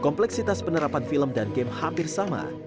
kompleksitas penerapan film dan game hampir sama